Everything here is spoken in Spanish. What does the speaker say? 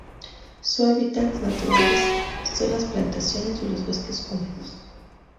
Sus hábitats naturales son las plantaciones y los bosques húmedos.